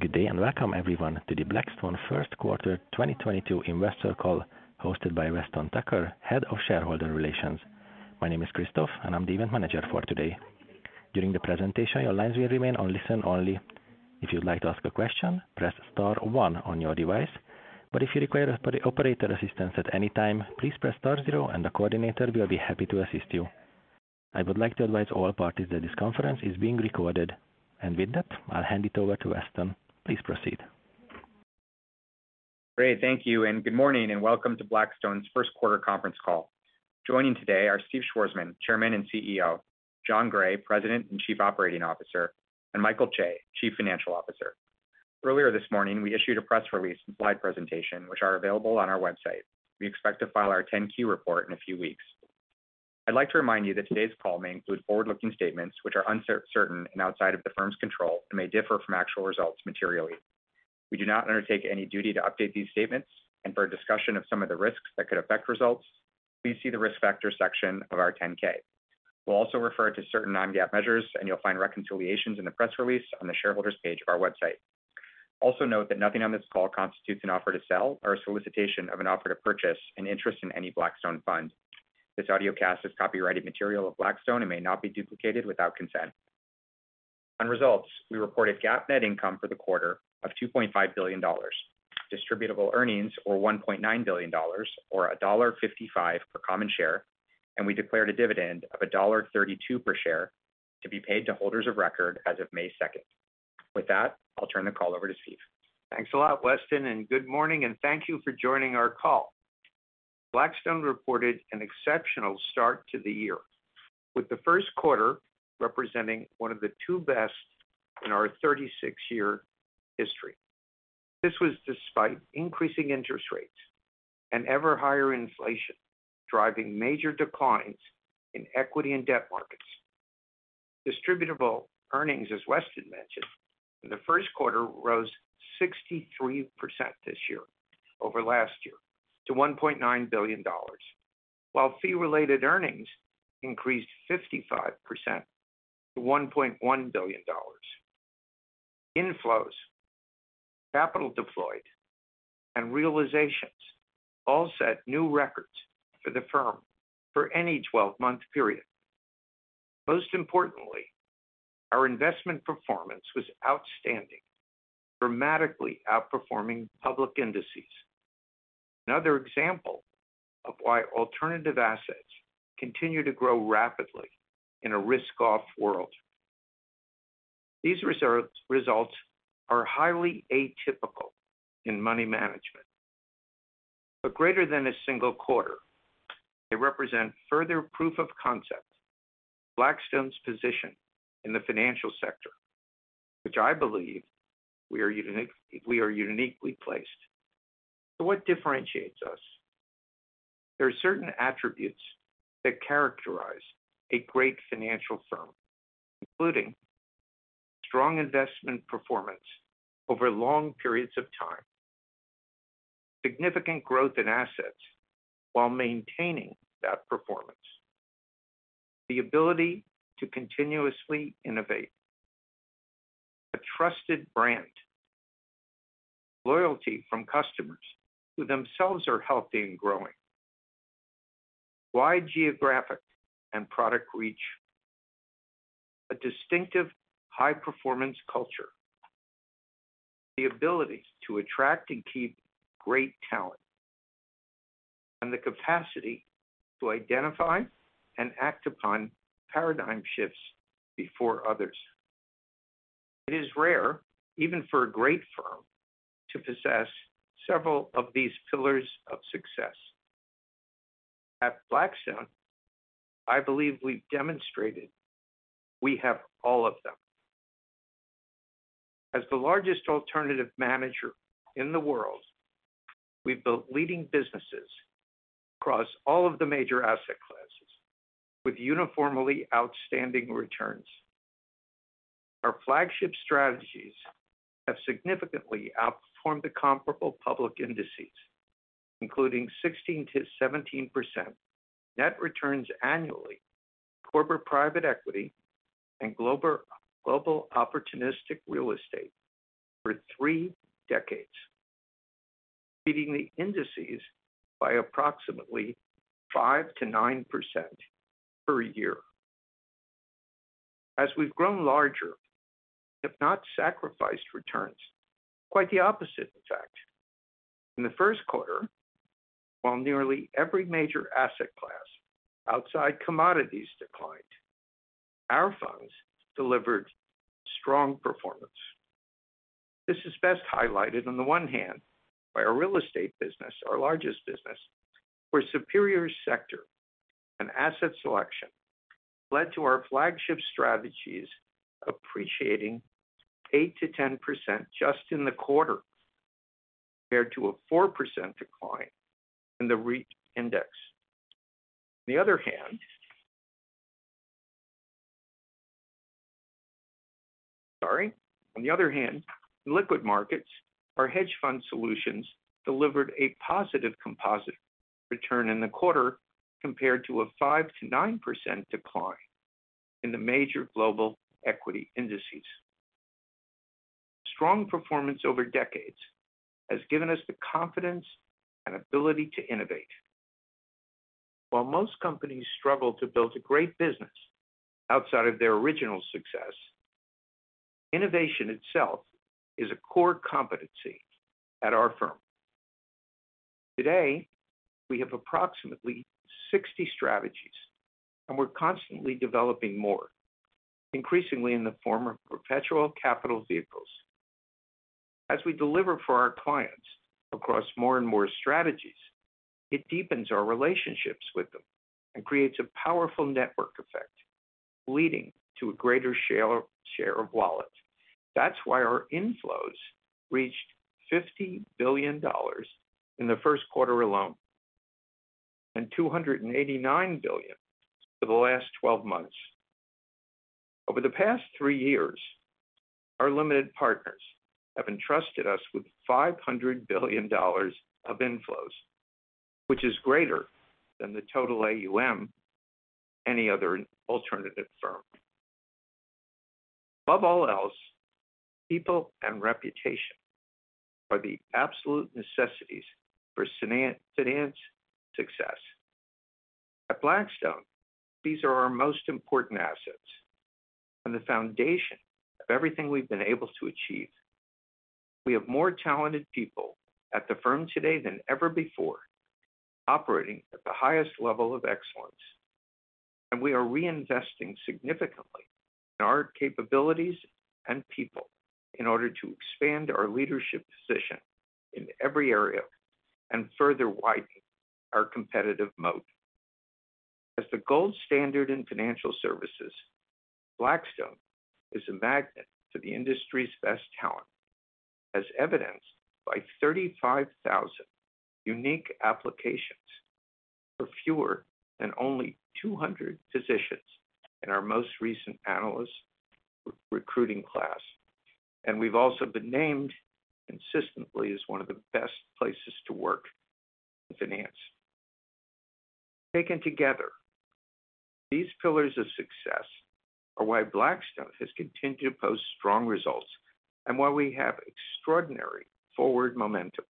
Good day and welcome everyone to the Blackstone first quarter 2022 investor call hosted by Weston Tucker, Head of Shareholder Relations. My name is Christoph, and I'm the event manager for today. During the presentation, your lines will remain on listen only. If you'd like to ask a question, press star one on your device. But if you require operator assistance at any time, please press star zero and the coordinator will be happy to assist you. I would like to advise all parties that this conference is being recorded. With that, I'll hand it over to Weston. Please proceed. Great. Thank you, and good morning and welcome to Blackstone's first quarter conference call. Joining today are Steve Schwarzman, Chairman and CEO, Jon Gray, President and Chief Operating Officer, and Michael Chae, Chief Financial Officer. Earlier this morning, we issued a press release and slide presentation, which are available on our website. We expect to file our 10-Q report in a few weeks. I'd like to remind you that today's call may include forward-looking statements which are uncertain and outside of the firm's control and may differ from actual results materially. We do not undertake any duty to update these statements, and for a discussion of some of the risks that could affect results, please see the Risk Factors section of our 10-K. We'll also refer to certain non-GAAP measures, and you'll find reconciliations in the press release on the shareholders page of our website. Also note that nothing on this call constitutes an offer to sell or a solicitation of an offer to purchase an interest in any Blackstone fund. This audiocast is copyrighted material of Blackstone and may not be duplicated without consent. On results, we reported GAAP net income for the quarter of $2.5 billion. Distributable earnings were $1.9 billion or $1.55 per common share, and we declared a dividend of $1.32 per share to be paid to holders of record as of May 2nd. With that, I'll turn the call over to Steve. Thanks a lot, Weston, and good morning and thank you for joining our call. Blackstone reported an exceptional start to the year, with the first quarter representing one of the two best in our 36-year history. This was despite increasing interest rates and ever higher inflation, driving major declines in equity and debt markets. Distributable Earnings, as Weston mentioned, in the first quarter rose 63% this year over last year to $1.9 billion. While Fee-Related Earnings increased 55% to $1.1 billion. Inflows, capital deployed, and realizations all set new records for the firm for any 12-month period. Most importantly, our investment performance was outstanding, dramatically outperforming public indices. Another example of why alternative assets continue to grow rapidly in a risk-off world. These results are highly atypical in money management. Greater than a single quarter, they represent further proof of concept, Blackstone's position in the financial sector, which I believe we are uniquely placed. What differentiates us? There are certain attributes that characterize a great financial firm, including strong investment performance over long periods of time, significant growth in assets while maintaining that performance, the ability to continuously innovate, a trusted brand, loyalty from customers who themselves are healthy and growing, wide geographic and product reach, a distinctive high-performance culture, the ability to attract and keep great talent, and the capacity to identify and act upon paradigm shifts before others. It is rare, even for a great firm, to possess several of these pillars of success. At Blackstone, I believe we've demonstrated we have all of them. As the largest alternative manager in the world, we've built leading businesses across all of the major asset classes with uniformly outstanding returns. Our flagship strategies have significantly outperformed the comparable public indices, including 16%-17% net returns annually for corporate private equity and global opportunistic real estate for three decades, beating the indices by approximately 5%-9% per year. As we've grown larger, we have not sacrificed returns. Quite the opposite in fact. In the first quarter, while nearly every major asset class outside commodities declined, our funds delivered strong performance. This is best highlighted on the one hand by our real estate business, our largest business, where superior sector and asset selection led to our flagship strategies appreciating 8%-10% just in the quarter compared to a 4% decline in the REIT index. On the other hand, sorry. On the other hand, in liquid markets, our hedge fund solutions delivered a positive composite return in the quarter compared to a 5%-9% decline in the major global equity indices. Strong performance over decades has given us the confidence and ability to innovate. While most companies struggle to build a great business outside of their original success, innovation itself is a core competency at our firm. Today, we have approximately 60 strategies, and we're constantly developing more, increasingly in the form of perpetual capital vehicles. As we deliver for our clients across more and more strategies, it deepens our relationships with them and creates a powerful network effect, leading to a greater share of wallet. That's why our inflows reached $50 billion in the first quarter alone, and $289 billion for the last 12 months. Over the past three years, our limited partners have entrusted us with $500 billion of inflows, which is greater than the total AUM any other alternative firm. Above all else, people and reputation are the absolute necessities for sustained financial success. At Blackstone, these are our most important assets and the foundation of everything we've been able to achieve. We have more talented people at the firm today than ever before, operating at the highest level of excellence. We are reinvesting significantly in our capabilities and people in order to expand our leadership position in every area and further widen our competitive moat. As the gold standard in financial services, Blackstone is a magnet to the industry's best talent, as evidenced by 35,000 unique applications for fewer than only 200 positions in our most recent analyst recruiting class. We've also been named consistently as one of the best places to work in finance. Taken together, these pillars of success are why Blackstone has continued to post strong results and why we have extraordinary forward momentum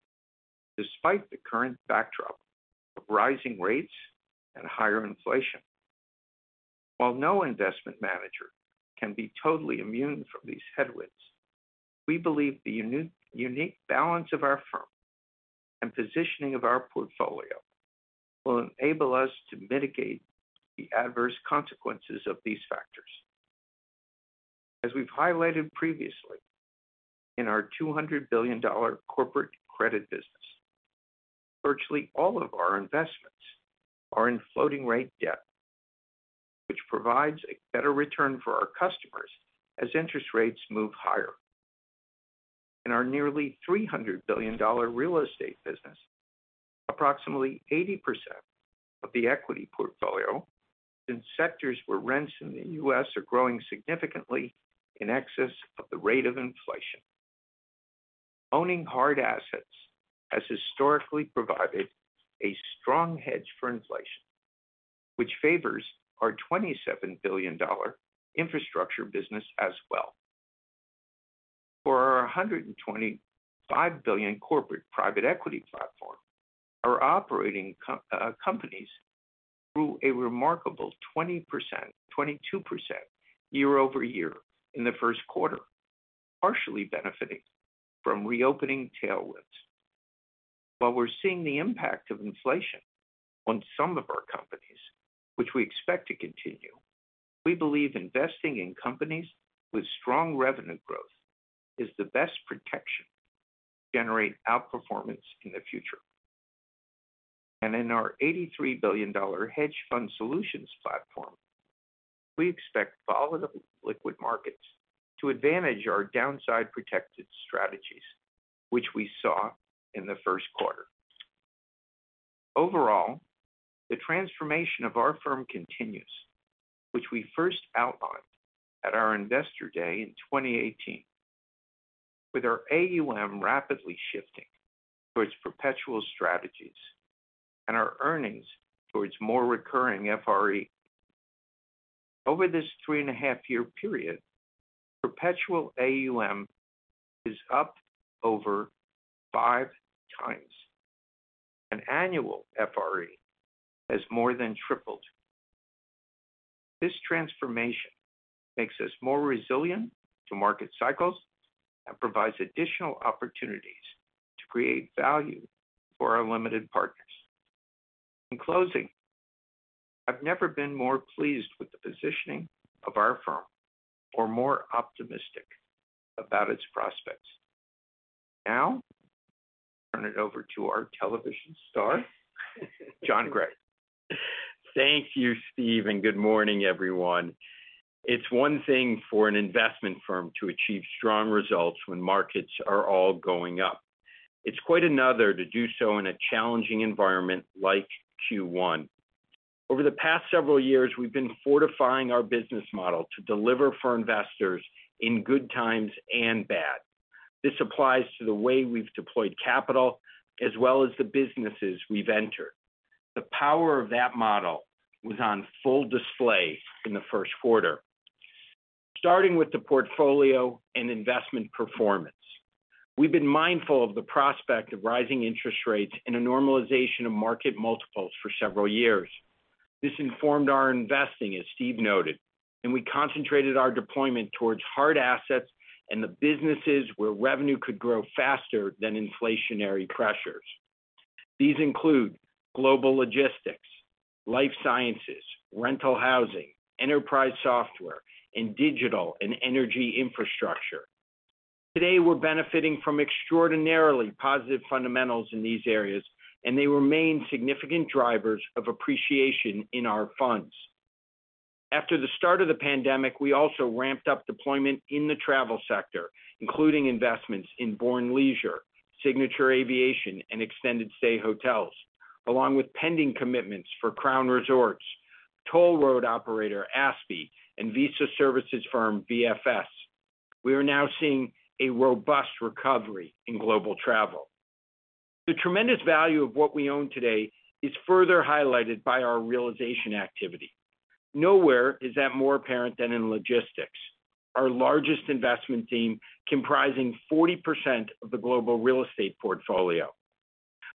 despite the current backdrop of rising rates and higher inflation. While no investment manager can be totally immune from these headwinds, we believe the unique balance of our firm and positioning of our portfolio will enable us to mitigate the adverse consequences of these factors. As we've highlighted previously, in our $200 billion corporate credit business, virtually all of our investments are in floating rate debt, which provides a better return for our customers as interest rates move higher. In our nearly $300 billion real estate business, approximately 80% of the equity portfolio is in sectors where rents in the U.S. are growing significantly in excess of the rate of inflation. Owning hard assets has historically provided a strong hedge for inflation, which favors our $27 billion infrastructure business as well. For our $125 billion corporate private equity platform, our operating companies grew a remarkable 22% year-over-year in the first quarter, partially benefiting from reopening tailwinds. While we're seeing the impact of inflation on some of our companies, which we expect to continue, we believe investing in companies with strong revenue growth is the best protection to generate outperformance in the future. In our $83 billion hedge fund solutions platform, we expect volatile liquid markets to advantage our downside-protected strategies, which we saw in the first quarter. Overall, the transformation of our firm continues, which we first outlined at our Investor Day in 2018. With our AUM rapidly shifting towards perpetual strategies and our earnings towards more recurring FRE. Over this three and a half-year period, perpetual AUM is up over five times, and annual FRE has more than tripled. This transformation makes us more resilient to market cycles and provides additional opportunities to create value for our limited partners. In closing, I've never been more pleased with the positioning of our firm or more optimistic about its prospects. Now, I'll turn it over to our television star, Jon Gray. Thank you, Steve, and good morning, everyone. It's one thing for an investment firm to achieve strong results when markets are all going up. It's quite another to do so in a challenging environment like Q1. Over the past several years, we've been fortifying our business model to deliver for investors in good times and bad. This applies to the way we've deployed capital as well as the businesses we've entered. The power of that model was on full display in the first quarter. Starting with the portfolio and investment performance. We've been mindful of the prospect of rising interest rates in a normalization of market multiples for several years. This informed our investing, as Steve noted, and we concentrated our deployment towards hard assets and the businesses where revenue could grow faster than inflationary pressures. These include global logistics, life sciences, rental housing, enterprise software, and digital, and energy infrastructure. Today, we're benefiting from extraordinarily positive fundamentals in these areas, and they remain significant drivers of appreciation in our funds. After the start of the pandemic, we also ramped up deployment in the travel sector, including investments in Bourne Leisure, Signature Aviation, and extended stay hotels, along with pending commitments for Crown Resorts, toll road operator ASPI, and visa services firm VFS. We are now seeing a robust recovery in global travel. The tremendous value of what we own today is further highlighted by our realization activity. Nowhere is that more apparent than in logistics, our largest investment team, comprising 40% of the global real estate portfolio.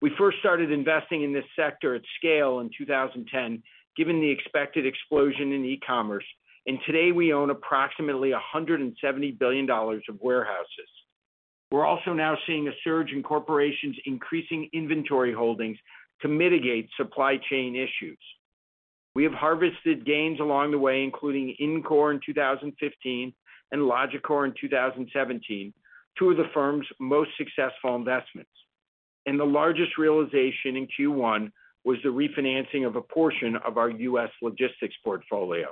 We first started investing in this sector at scale in 2010, given the expected explosion in e-commerce, and today we own approximately $170 billion of warehouses. We're also now seeing a surge in corporations increasing inventory holdings to mitigate supply chain issues. We have harvested gains along the way, including IndCor in 2015, and Logicor in 2017, two of the firm's most successful investments. The largest realization in Q1 was the refinancing of a portion of our U.S. logistics portfolio.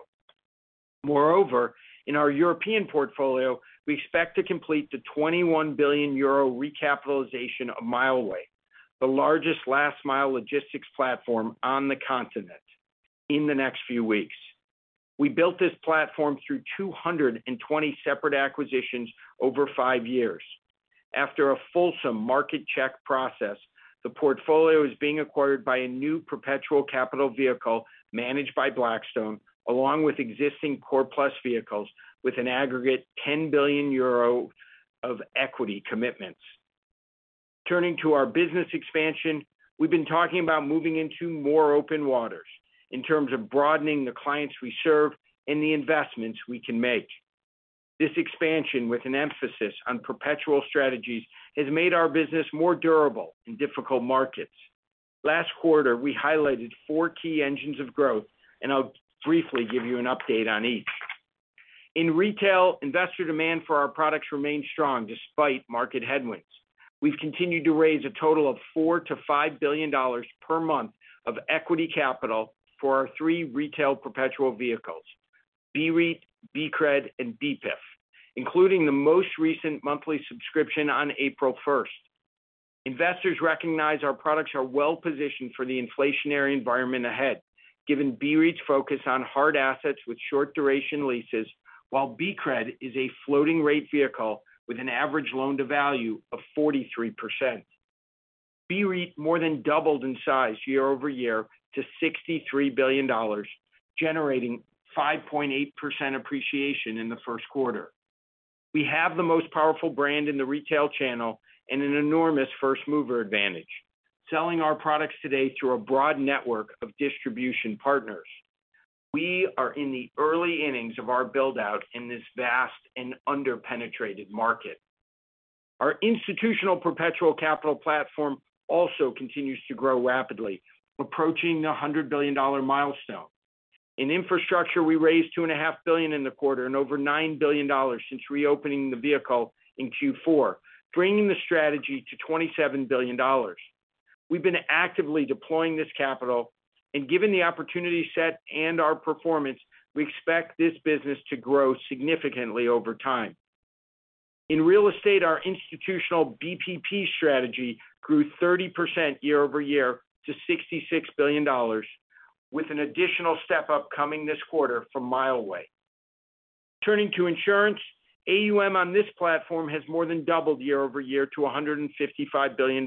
Moreover, in our European portfolio, we expect to complete the 21 billion euro recapitalization of Mileway, the largest last-mile logistics platform on the continent in the next few weeks. We built this platform through 220 separate acquisitions over five years. After a fulsome market check process, the portfolio is being acquired by a new perpetual capital vehicle managed by Blackstone, along with existing core plus vehicles with an aggregate 10 billion euro of equity commitments. Turning to our business expansion, we've been talking about moving into more open waters in terms of broadening the clients we serve and the investments we can make. This expansion, with an emphasis on perpetual strategies, has made our business more durable in difficult markets. Last quarter, we highlighted four key engines of growth, and I'll briefly give you an update on each. In retail, investor demand for our products remains strong despite market headwinds. We've continued to raise a total of $4 billion-$5 billion per month of equity capital for our three retail perpetual vehicles, BREIT, BCRED, and BEPIF, including the most recent monthly subscription on April first. Investors recognize our products are well-positioned for the inflationary environment ahead, given BREIT's focus on hard assets with short duration leases, while BCRED is a floating rate vehicle with an average loan-to-value of 43%. BREIT more than doubled in size year-over-year to $63 billion, generating 5.8% appreciation in the first quarter. We have the most powerful brand in the retail channel, and an enormous first mover advantage, selling our products today through a broad network of distribution partners. We are in the early innings of our build-out in this vast and under-penetrated market. Our institutional perpetual capital platform also continues to grow rapidly, approaching the $100 billion milestone. In infrastructure, we raised $2.5 billion in the quarter and over $9 billion since reopening the vehicle in Q4, bringing the strategy to $27 billion. We've been actively deploying this capital, and given the opportunity set and our performance, we expect this business to grow significantly over time. In real estate, our institutional BPP strategy grew 30% year-over-year to $66 billion, with an additional step up coming this quarter from Mileway. Turning to insurance, AUM on this platform has more than doubled year-over-year to $155 billion.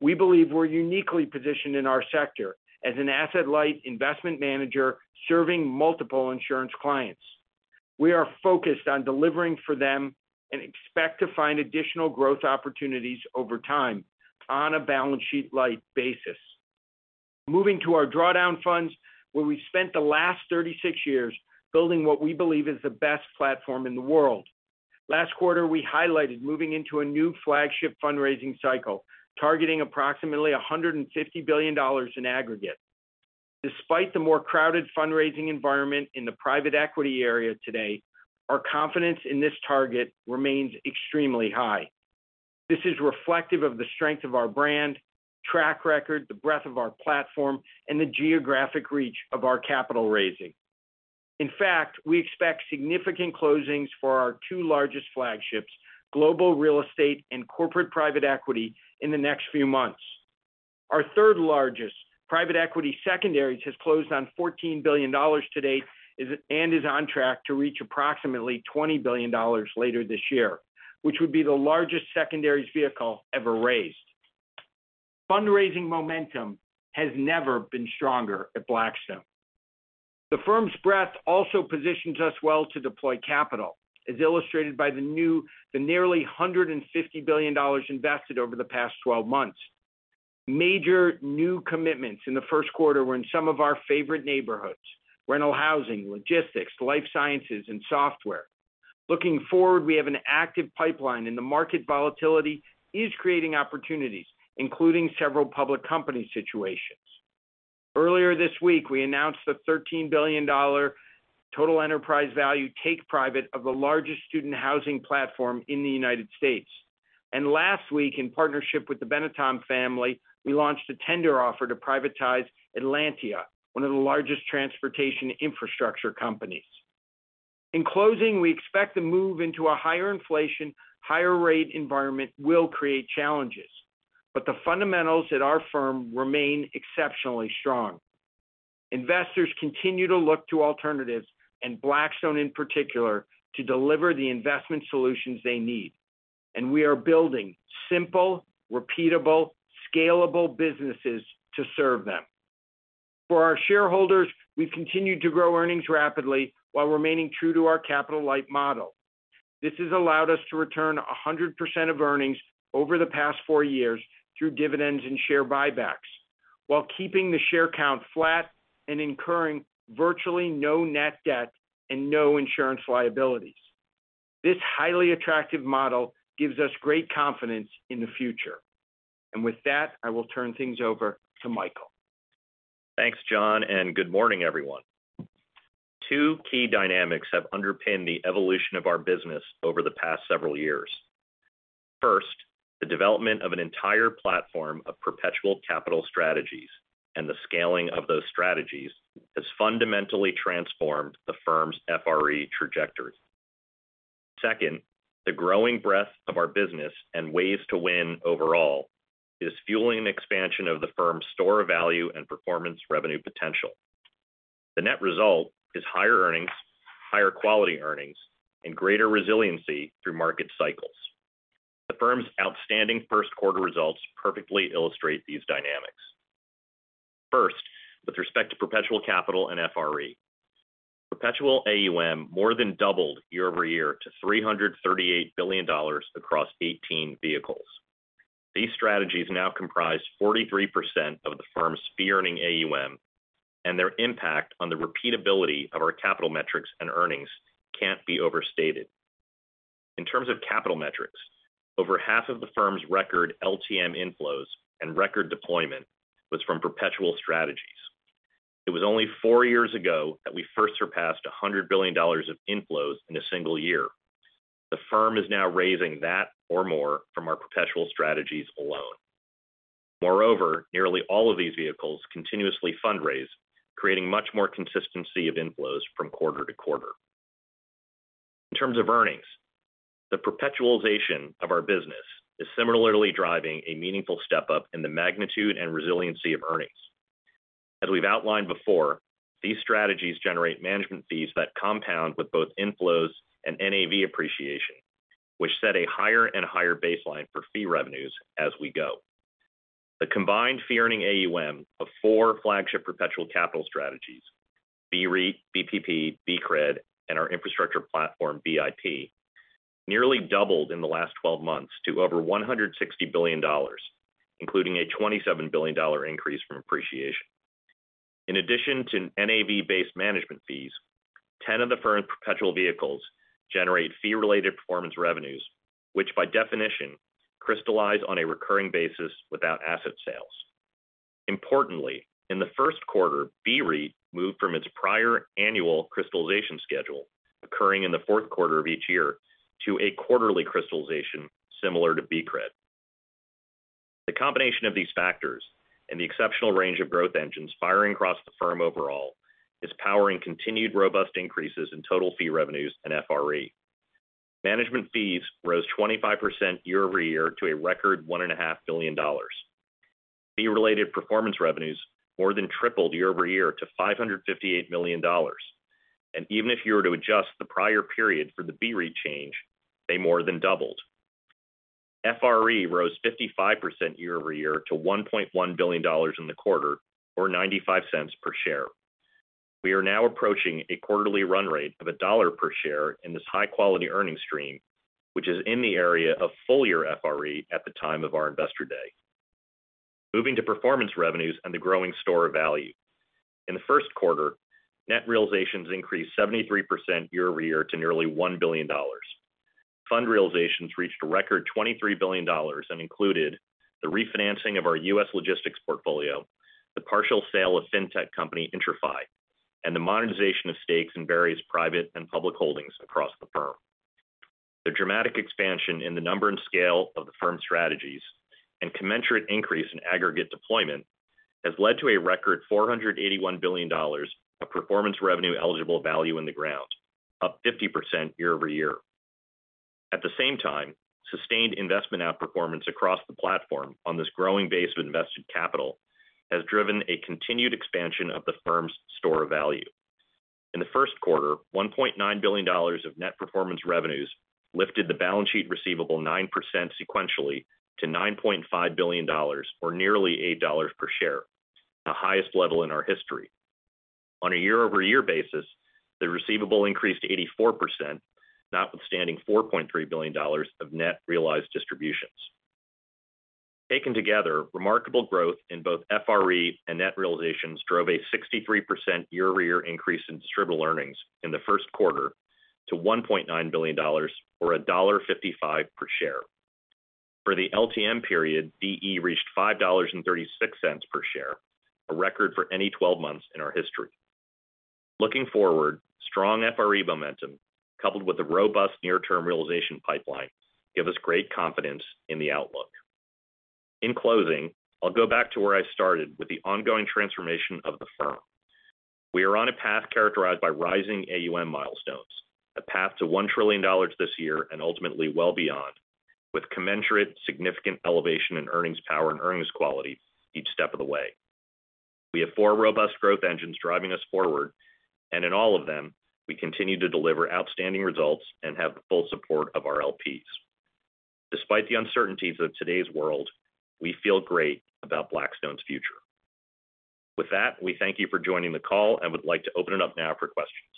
We believe we're uniquely positioned in our sector as an asset-light investment manager serving multiple insurance clients. We are focused on delivering for them and expect to find additional growth opportunities over time on a balance sheet light basis. Moving to our drawdown funds, where we've spent the last 36 years building what we believe is the best platform in the world. Last quarter, we highlighted moving into a new flagship fundraising cycle, targeting approximately $150 billion in aggregate. Despite the more crowded fundraising environment in the private equity area today, our confidence in this target remains extremely high. This is reflective of the strength of our brand, track record, the breadth of our platform, and the geographic reach of our capital raising. In fact, we expect significant closings for our two largest flagships, global real estate and corporate private equity, in the next few months. Our third largest, private equity secondaries, has closed on $14 billion to date, and is on track to reach approximately $20 billion later this year, which would be the largest secondaries vehicle ever raised. Fundraising momentum has never been stronger at Blackstone. The firm's breadth also positions us well to deploy capital, as illustrated by the nearly $150 billion invested over the past 12 months. Major new commitments in the first quarter were in some of our favorite neighborhoods, rental housing, logistics, life sciences, and software. Looking forward, we have an active pipeline, and the market volatility is creating opportunities, including several public company situations. Earlier this week, we announced a $13 billion total enterprise value take private of the largest student housing platform in the United States. Last week, in partnership with the Benetton family, we launched a tender offer to privatize Atlantia, one of the largest transportation infrastructure companies. In closing, we expect the move into a higher inflation, higher rate environment will create challenges, but the fundamentals at our firm remain exceptionally strong. Investors continue to look to alternatives, and Blackstone in particular, to deliver the investment solutions they need, and we are building simple, repeatable, scalable businesses to serve them. For our shareholders, we've continued to grow earnings rapidly while remaining true to our capital-light model. This has allowed us to return 100% of earnings over the past four years through dividends and share buybacks while keeping the share count flat and incurring virtually no net debt and no insurance liabilities. This highly attractive model gives us great confidence in the future. With that, I will turn things over to Michael. Thanks, Jon, and good morning, everyone. Two key dynamics have underpinned the evolution of our business over the past several years. First, the development of an entire platform of perpetual capital strategies and the scaling of those strategies has fundamentally transformed the firm's FRE trajectory. Second, the growing breadth of our business and ways to win overall is fueling an expansion of the firm's store of value and performance revenue potential. The net result is higher earnings, higher quality earnings, and greater resiliency through market cycles. The firm's outstanding first quarter results perfectly illustrate these dynamics. First, with respect to perpetual capital and FRE. Perpetual AUM more than doubled year-over-year to $338 billion across 18 vehicles. These strategies now comprise 43% of the firm's fee earning AUM, and their impact on the repeatability of our capital metrics and earnings can't be overstated. In terms of capital metrics, over half of the firm's record LTM inflows and record deployment was from perpetual strategies. It was only four years ago that we first surpassed $100 billion of inflows in a single year. The firm is now raising that or more from our perpetual strategies alone. Moreover, nearly all of these vehicles continuously fundraise, creating much more consistency of inflows from quarter to quarter. In terms of earnings, the perpetualization of our business is similarly driving a meaningful step-up in the magnitude and resiliency of earnings. As we've outlined before, these strategies generate management fees that compound with both inflows and NAV appreciation, which set a higher and higher baseline for fee revenues as we go. The combined fee earning AUM of four flagship perpetual capital strategies, BREIT, BPP, BCRED, and our infrastructure platform, BIP, nearly doubled in the last 12 months to over $160 billion, including a $27 billion increase from appreciation. In addition to NAV-based management fees, 10 of the firm's perpetual vehicles generate fee-related performance revenues, which by definition crystallize on a recurring basis without asset sales. Importantly, in the first quarter, BREIT moved from its prior annual crystallization schedule occurring in the fourth quarter of each year to a quarterly crystallization similar to BCRED. The combination of these factors and the exceptional range of growth engines firing across the firm overall is powering continued robust increases in total fee revenues and FRE. Management fees rose 25% year-over-year to a record $1.5 billion. Fee-related performance revenues more than tripled year-over-year to $558 million. Even if you were to adjust the prior period for the BREIT change, they more than doubled. FRE rose 55% year-over-year to $1.1 billion in the quarter or $0.95 per share. We are now approaching a quarterly run rate of $1 per share in this high-quality earnings stream, which is in the area of full-year FRE at the time of our Investor Day. Moving to performance revenues and the growing store value. In the first quarter, net realizations increased 73% year-over-year to nearly $1 billion. Fund realizations reached a record $23 billion and included the refinancing of our U.S. logistics portfolio, the partial sale of fintech company IntraFi, and the monetization of stakes in various private and public holdings across the firm. The dramatic expansion in the number and scale of the firm's strategies and commensurate increase in aggregate deployment has led to a record $481 billion of performance revenue eligible value in the ground, up 50% year-over-year. At the same time, sustained investment outperformance across the platform on this growing base of invested capital has driven a continued expansion of the firm's store value. In the first quarter, $1.9 billion of net performance revenues lifted the balance sheet receivable 9% sequentially to $9.5 billion or nearly $8 per share, the highest level in our history. On a year-over-year basis, the receivable increased 84%, notwithstanding $4.3 billion of net realized distributions. Taken together, remarkable growth in both FRE and net realizations drove a 63% year-over-year increase in Distributable Earnings in the first quarter to $1.9 billion or $1.55 per share. For the LTM period, DE reached $5.36 per share, a record for any 12 months in our history. Looking forward, strong FRE momentum coupled with a robust near-term realization pipeline give us great confidence in the outlook. In closing, I'll go back to where I started with the ongoing transformation of the firm. We are on a path characterized by rising AUM milestones, a path to $1 trillion this year and ultimately well beyond, with commensurate significant elevation in earnings power and earnings quality each step of the way. We have four robust growth engines driving us forward, and in all of them, we continue to deliver outstanding results and have the full support of our LPs. Despite the uncertainties of today's world, we feel great about Blackstone's future. With that, we thank you for joining the call and would like to open it up now for questions.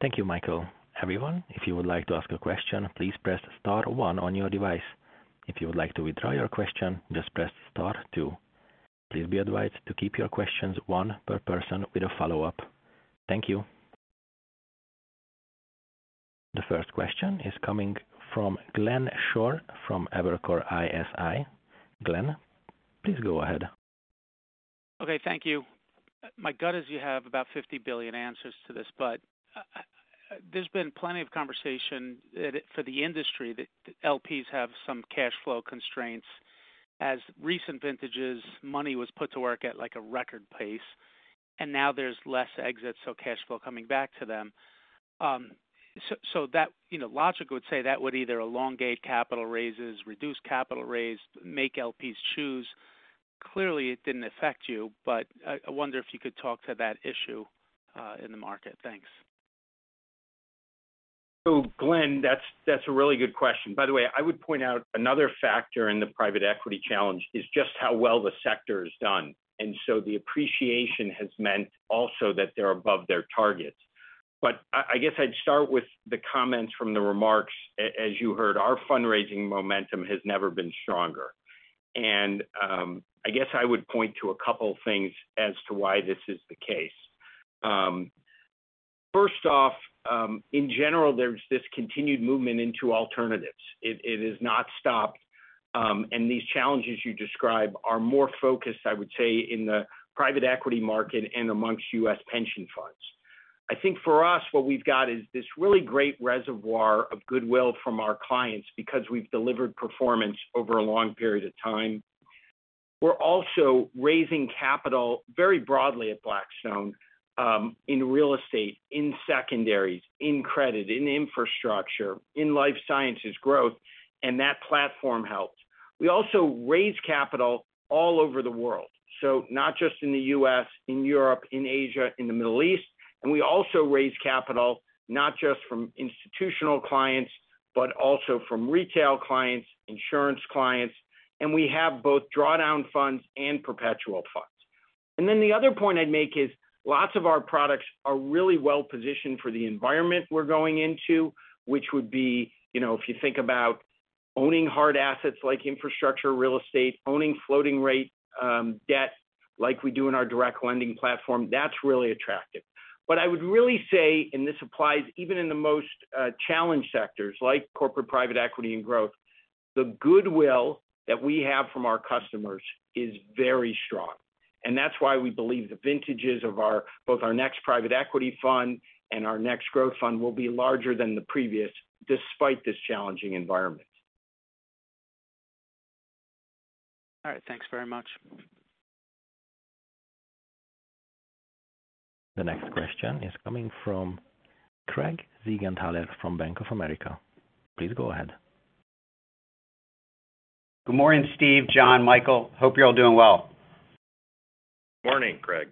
Thank you, Michael. Everyone, if you would like to ask a question, please press star one on your device. If you would like to withdraw your question, just press star two. Please be advised to keep your questions one per person with a follow-up. Thank you. The first question is coming from Glenn Schorr from Evercore ISI. Glenn, please go ahead. Okay, thank you. My gut is you have about 50 billion answers to this, but there's been plenty of conversation that for the industry that LPs have some cash flow constraints as recent vintages money was put to work at, like, a record pace, and now there's less exits, so cash flow coming back to them. So that, you know, logic would say that would either elongate capital raises, reduce capital raise, make LPs choose. Clearly, it didn't affect you, but I wonder if you could talk to that issue in the market. Thanks. Glenn, that's a really good question. By the way, I would point out another factor in the private equity challenge is just how well the sector has done. The appreciation has meant also that they're above their targets. I guess I'd start with the comments from the remarks. As you heard, our fundraising momentum has never been stronger. I guess I would point to a couple things as to why this is the case. First off, in general, there's this continued movement into alternatives. It has not stopped, and these challenges you describe are more focused, I would say, in the private equity market and amongst U.S. pension funds. I think for us, what we've got is this really great reservoir of goodwill from our clients because we've delivered performance over a long period of time. We're also raising capital very broadly at Blackstone, in real estate, in secondaries, in credit, in infrastructure, in life sciences growth, and that platform helps. We also raise capital all over the world. Not just in the U.S., in Europe, in Asia, in the Middle East, and we also raise capital not just from institutional clients, but also from retail clients, insurance clients, and we have both drawdown funds and perpetual funds. The other point I'd make is lots of our products are really well-positioned for the environment we're going into, which would be, you know, if you think about owning hard assets like infrastructure, real estate, owning floating-rate, debt like we do in our direct lending platform, that's really attractive. What I would really say, and this applies even in the most challenged sectors like corporate private equity and growth, the goodwill that we have from our customers is very strong. That's why we believe the vintages of our both our next private equity fund and our next growth fund will be larger than the previous despite this challenging environment. All right. Thanks very much. The next question is coming from Craig Siegenthaler from Bank of America. Please go ahead. Good morning, Steve, Jon, Michael. Hope you're all doing well. Morning, Craig.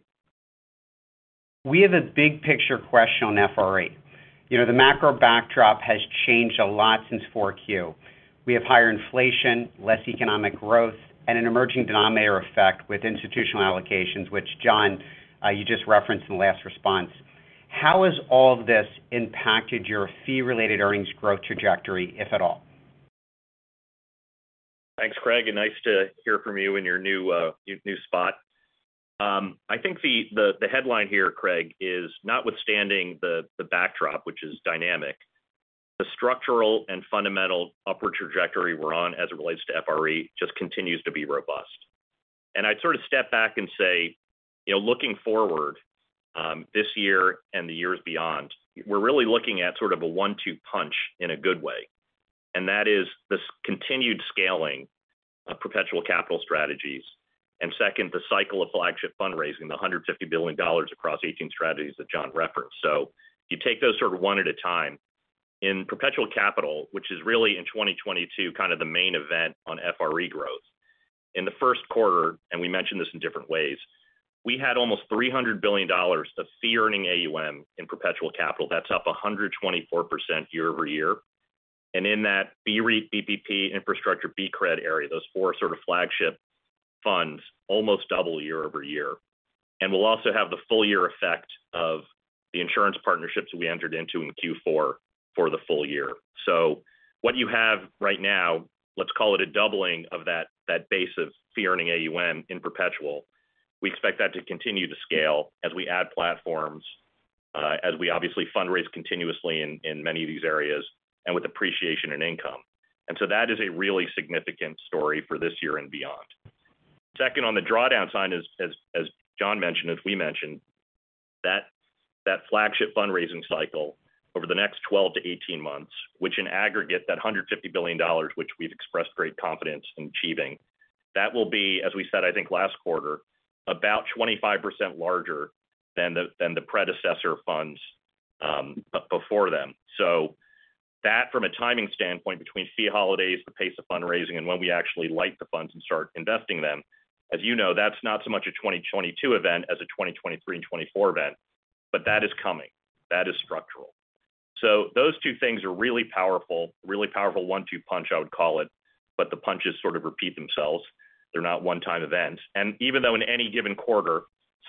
We have a big picture question on FRE. You know, the macro backdrop has changed a lot since Q4. We have higher inflation, less economic growth, and an emerging denominator effect with institutional allocations, which, Jon, you just referenced in the last response. How has all of this impacted your fee-related earnings growth trajectory, if at all? Thanks, Craig, and nice to hear from you in your new spot. I think the headline here, Craig, is notwithstanding the backdrop, which is dynamic, the structural and fundamental upper trajectory we're on as it relates to FRE just continues to be robust. I'd sort of step back and say, you know, looking forward, this year and the years beyond, we're really looking at sort of a one-two punch in a good way. That is this continued scaling of perpetual capital strategies. Second, the cycle of flagship fundraising, the $150 billion across 18 strategies that Jon referenced. If you take those sort of one at a time. In perpetual capital, which is really in 2022 kind of the main event on FRE growth. In the first quarter, and we mentioned this in different ways, we had almost $300 billion of fee-earning AUM in perpetual capital. That's up 124% year-over-year. In that BREIT, BPP, infrastructure, BCRED area, those four sort of flagship funds almost double year-over-year. We'll also have the full year effect of the insurance partnerships we entered into in Q4 for the full year. What you have right now, let's call it a doubling of that base of fee-earning AUM in perpetual. We expect that to continue to scale as we add platforms, as we obviously fundraise continuously in many of these areas, and with appreciation in income. That is a really significant story for this year and beyond. Second, on the drawdown side, as Jon mentioned, as we mentioned, that flagship fundraising cycle over the next 12-18 months, which in aggregate $150 billion, which we've expressed great confidence in achieving. That will be, as we said, I think last quarter, about 25% larger than the predecessor funds before them. That from a timing standpoint between fee holidays, the pace of fundraising, and when we actually light the funds and start investing them. As you know, that's not so much a 2022 event as a 2023 and 2024 event, but that is coming. That is structural. Those two things are really powerful. Really powerful one-two punch, I would call it, but the punches sort of repeat themselves. They're not one-time events. Even though in any given quarter,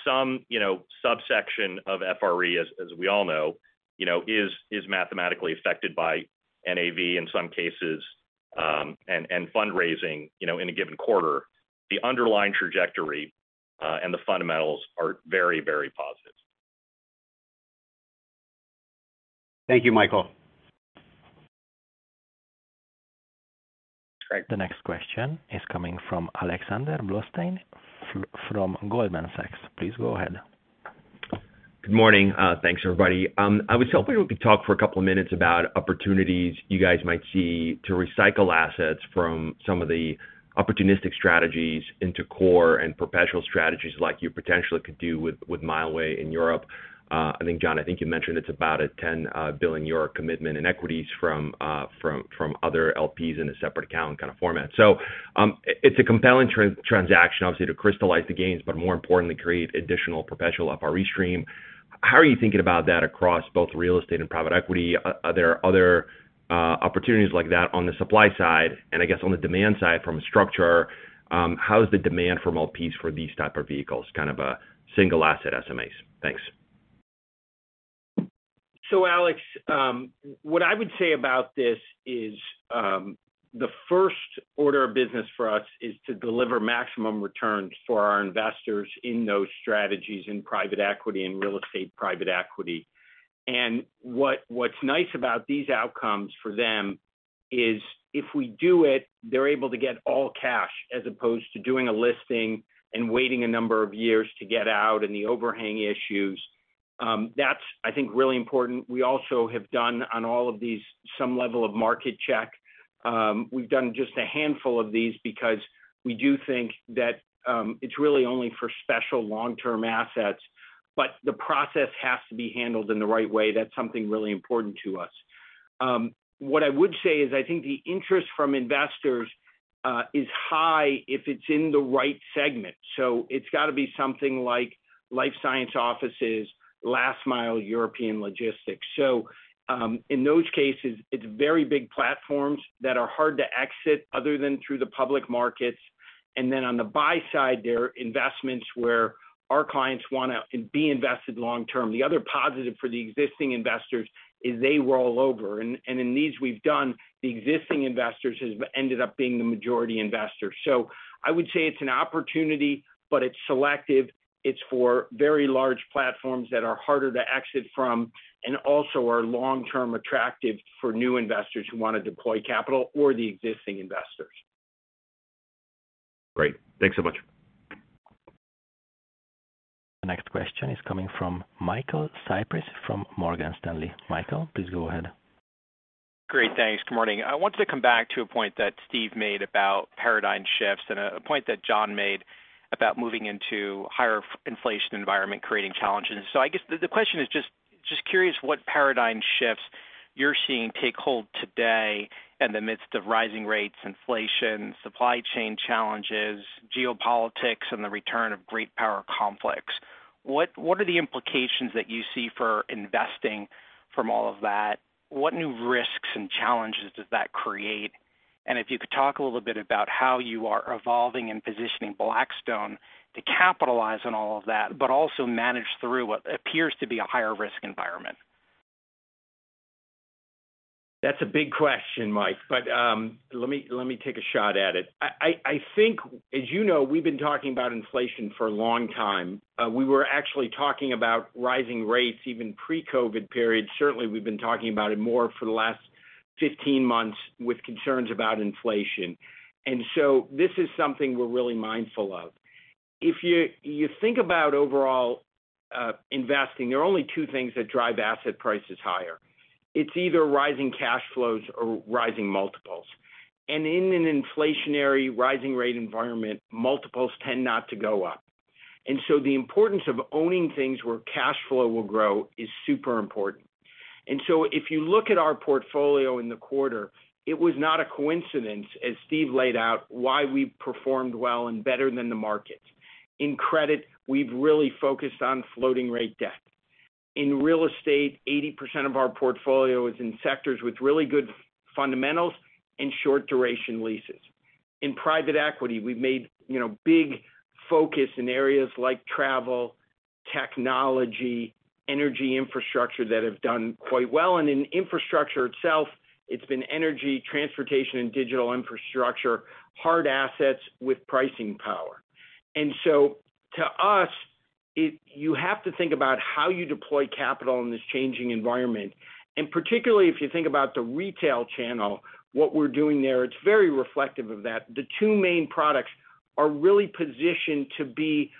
some, you know, subsection of FRE, as we all know, you know, is mathematically affected by NAV in some cases, and fundraising, you know, in a given quarter. The underlying trajectory, and the fundamentals are very, very positive. Thank you, Michael. Great. The next question is coming from Alexander Blostein from Goldman Sachs. Please go ahead. Good morning. Thanks everybody. I was hoping we could talk for a couple of minutes about opportunities you guys might see to recycle assets from some of the opportunistic strategies into core and perpetual strategies like you potentially could do with Mileway in Europe. I think Jon you mentioned it's about a 10 billion euro commitment in equities from other LPs in a separate account kind of format. It's a compelling transaction obviously to crystallize the gains, but more importantly, create additional perpetual FRE stream. How are you thinking about that across both real estate and private equity? Are there other opportunities like that on the supply side? I guess on the demand side from a structure, how's the demand from LPs for these type of vehicles, kind of a single asset SMAs? Thanks. Alex, what I would say about this is, the first order of business for us is to deliver maximum returns for our investors in those strategies in private equity and real estate private equity. What's nice about these outcomes for them is if we do it, they're able to get all cash as opposed to doing a listing and waiting a number of years to get out, and the overhang issues. That's, I think, really important. We also have done on all of these, some level of market check. We've done just a handful of these because we do think that, it's really only for special long-term assets, but the process has to be handled in the right way. That's something really important to us. What I would say is I think the interest from investors is high if it's in the right segment. It's got to be something like life science offices, last mile European logistics. In those cases, it's very big platforms that are hard to exit other than through the public markets. On the buy side, they're investments where our clients wanna be invested long term. The other positive for the existing investors is they roll over. In these we've done, the existing investors has ended up being the majority investor. I would say it's an opportunity, but it's selective. It's for very large platforms that are harder to exit from, and also are long-term attractive for new investors who want to deploy capital or the existing investors. Great. Thanks so much. The next question is coming from Michael Cyprys from Morgan Stanley. Michael, please go ahead. Great. Thanks. Good morning. I wanted to come back to a point that Steve made about paradigm shifts, and a point that Jon made about moving into higher inflation environment creating challenges. I guess the question is just curious what paradigm shifts you're seeing take hold today in the midst of rising rates, inflation, supply chain challenges, geopolitics, and the return of great power conflicts. What are the implications that you see for investing from all of that? What new risks and challenges does that create? And if you could talk a little bit about how you are evolving and positioning Blackstone to capitalize on all of that, but also manage through what appears to be a higher risk environment. That's a big question, Mike, but let me take a shot at it. I think as you know, we've been talking about inflation for a long time. We were actually talking about rising rates even pre-COVID periods. Certainly, we've been talking about it more for the last 15 months with concerns about inflation. This is something we're really mindful of. If you think about overall investing, there are only two things that drive asset prices higher. It's either rising cash flows or rising multiples. In an inflationary rising rate environment, multiples tend not to go up. The importance of owning things where cash flow will grow is super important. If you look at our portfolio in the quarter, it was not a coincidence, as Steve laid out, why we performed well and better than the market. In credit, we've really focused on floating rate debt. In real estate, 80% of our portfolio is in sectors with really good fundamentals and short duration leases. In private equity, we've made, you know, big focus in areas like travel, technology, energy infrastructure that have done quite well. In infrastructure itself, it's been energy, transportation, and digital infrastructure, hard assets with pricing power. To us, it. You have to think about how you deploy capital in this changing environment. Particularly, if you think about the retail channel, what we're doing there, it's very reflective of that. The two main products are really positioned to be,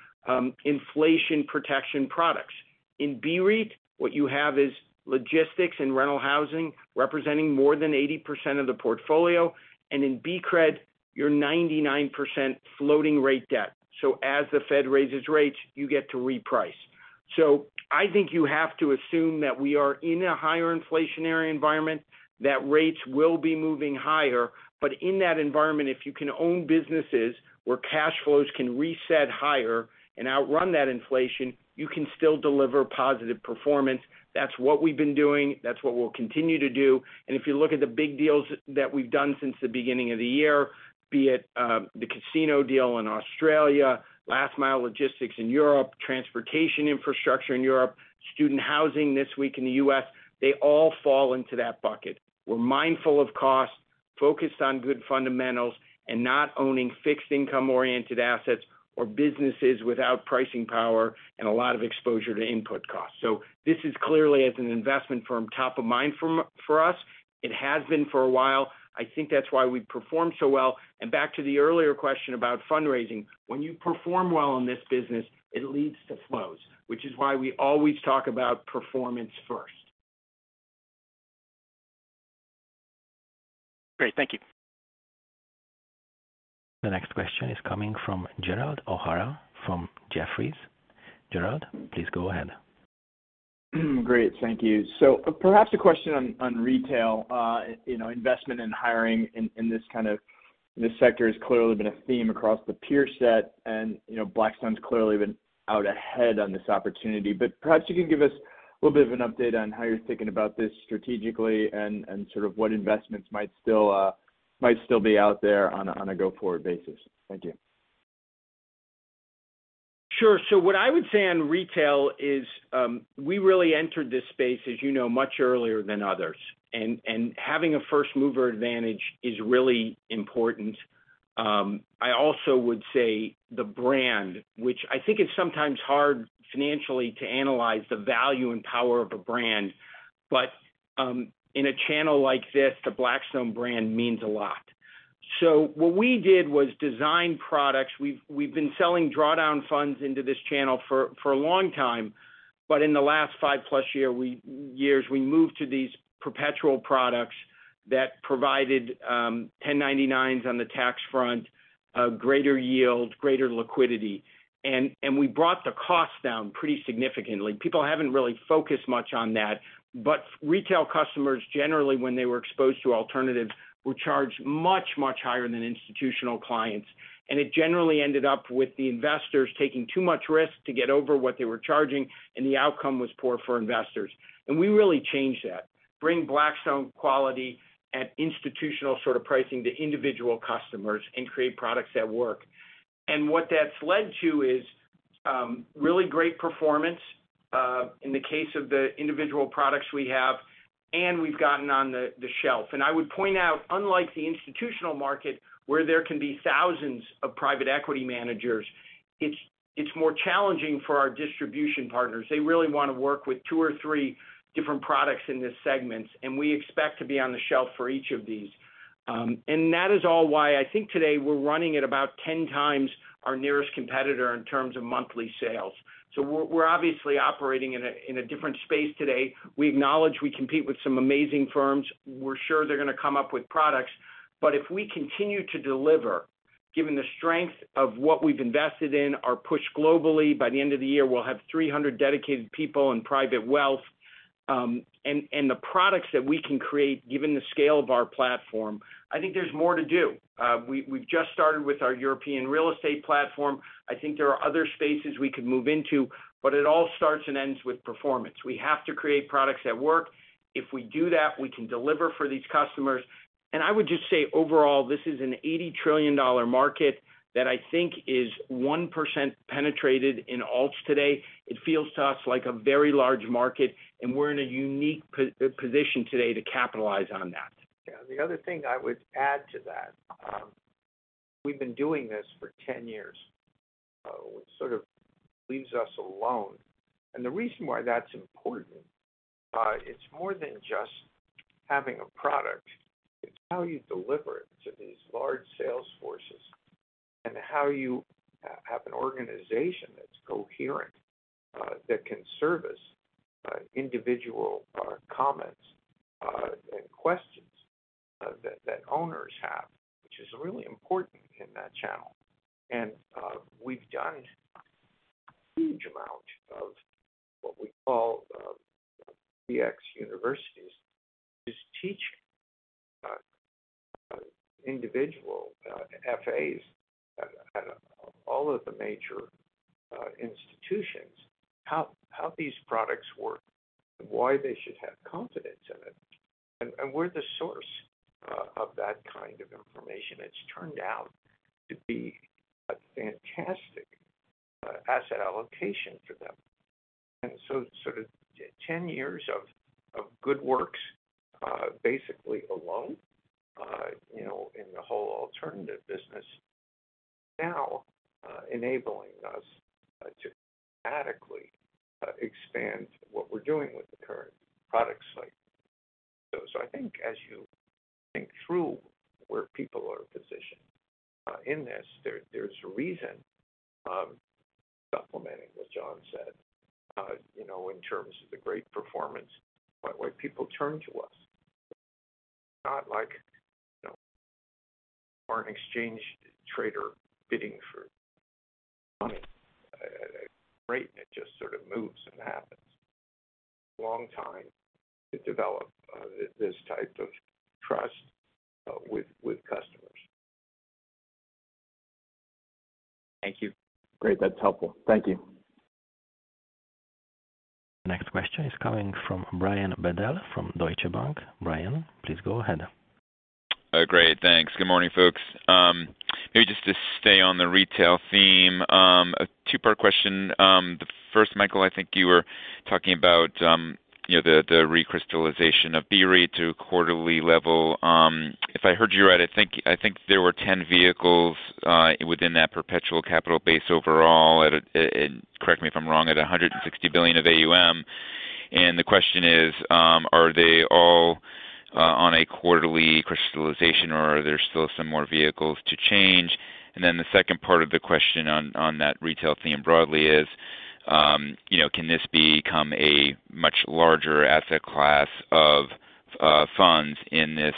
inflation protection products. In BREIT, what you have is logistics and rental housing representing more than 80% of the portfolio. In BCRED, you're 99% floating rate debt. As the Fed raises rates, you get to reprice. I think you have to assume that we are in a higher inflationary environment, that rates will be moving higher. In that environment, if you can own businesses where cash flows can reset higher and outrun that inflation, you can still deliver positive performance. That's what we've been doing. That's what we'll continue to do. If you look at the big deals that we've done since the beginning of the year, be it the casino deal in Australia, last mile logistics in Europe, transportation infrastructure in Europe, student housing this week in the U.S., they all fall into that bucket. We're mindful of cost, focused on good fundamentals, and not owning fixed income-oriented assets or businesses without pricing power and a lot of exposure to input costs. This is clearly, as an investment firm, top of mind for us. It has been for a while. I think that's why we perform so well. Back to the earlier question about fundraising. When you perform well in this business, it leads to flows, which is why we always talk about performance first. Great. Thank you. The next question is coming from Gerald O'Hara from Jefferies. Gerald, please go ahead. Great, thank you. Perhaps a question on retail, you know, investment and hiring in this kind of. The sector has clearly been a theme across the peer set, and you know, Blackstone's clearly been out ahead on this opportunity. Perhaps you can give us a little bit of an update on how you're thinking about this strategically and sort of what investments might still be out there on a go-forward basis. Thank you. Sure. What I would say on retail is, we really entered this space, as you know, much earlier than others. Having a first-mover advantage is really important. I also would say the brand, which I think is sometimes hard financially to analyze the value and power of a brand. In a channel like this, the Blackstone brand means a lot. What we did was design products. We've been selling drawdown funds into this channel for a long time. In the last five plus years, we moved to these perpetual products that provided 1099s on the tax front, a greater yield, greater liquidity. We brought the cost down pretty significantly. People haven't really focused much on that, but retail customers, generally when they were exposed to alternatives, were charged much higher than institutional clients. It generally ended up with the investors taking too much risk to get over what they were charging, and the outcome was poor for investors. We really changed that. We bring Blackstone quality at institutional sort of pricing to individual customers and create products that work. What that's led to is really great performance in the case of the individual products we have, and we've gotten on the shelf. I would point out, unlike the institutional market, where there can be thousands of private equity managers, it's more challenging for our distribution partners. They really wanna work with two or three different products in these segments, and we expect to be on the shelf for each of these. That is all why I think today we're running at about 10 times our nearest competitor in terms of monthly sales. We're obviously operating in a different space today. We acknowledge we compete with some amazing firms. We're sure they're gonna come up with products. If we continue to deliver, given the strength of what we've invested in, our push globally, by the end of the year, we'll have 300 dedicated people in private wealth, and the products that we can create given the scale of our platform, I think there's more to do. We've just started with our European real estate platform. I think there are other spaces we could move into, but it all starts and ends with performance. We have to create products that work. If we do that, we can deliver for these customers. I would just say, overall, this is an $80 trillion market that I think is 1% penetrated in alts today. It feels to us like a very large market, and we're in a unique position today to capitalize on that. Yeah. The other thing I would add to that, we've been doing this for 10 years. So it sort of leaves us alone. The reason why that's important It's more than just having a product. It's how you deliver it to these large sales forces and how you have an organization that's coherent that can service individual comments and questions that owners have, which is really important in that channel. We've done a huge amount of what we call BX Universities to teach individual FAs at all of the major institutions how these products work and why they should have confidence in it. We're the source of that kind of information. It's turned out to be a fantastic asset allocation for them. 10 years of good works, basically alone, you know, in the whole alternative business now, enabling us to radically expand what we're doing with the current product suite. I think as you think through where people are positioned in this, there's a reason, supplementing what Jon said, you know, in terms of the great performance, but why people turn to us. Not like, you know, are an exchange trader bidding for money at a rate and it just sort of moves and happens. Long time to develop this type of trust with customers. Thank you. Great. That's helpful. Thank you. Next question is coming from Brian Bedell from Deutsche Bank. Brian, please go ahead. Great. Thanks. Good morning, folks. Maybe just to stay on the retail theme, a two-part question. The first, Michael, I think you were talking about, you know, the recrystallization of BREIT to a quarterly level. If I heard you right, I think there were 10 vehicles within that perpetual capital base overall at a $160 billion of AUM. And correct me if I'm wrong. The question is, are they all on a quarterly crystallization, or are there still some more vehicles to change? Then the second part of the question on that retail theme broadly is, you know, can this become a much larger asset class of funds in this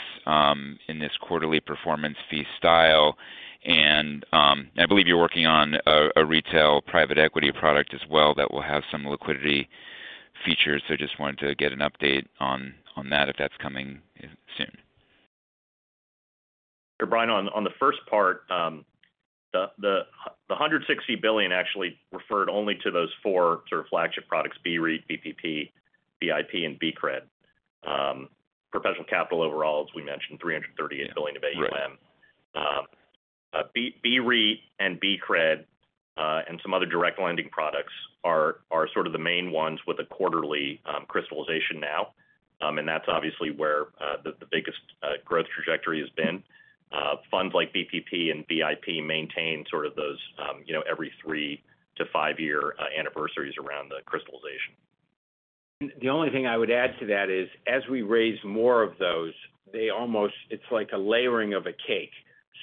quarterly performance fee style? I believe you're working on a retail private equity product as well that will have some liquidity features. Just wanted to get an update on that, if that's coming soon. Sure, Brian. On the first part, the $160 billion actually referred only to those four sort of flagship products, BREIT, BPP, BIP, and BCRED. Perpetual capital overall, as we mentioned, $338 billion of AUM. Right. BREIT and BCRED and some other direct lending products are sort of the main ones with a quarterly crystallization now. That's obviously where the biggest growth trajectory has been. Funds like BPP and BIP maintain sort of those you know every three to five-year anniversaries around the crystallization. The only thing I would add to that is, as we raise more of those, they almost. It's like a layering of a cake.